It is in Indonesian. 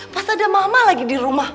pas ada mama lagi dirumah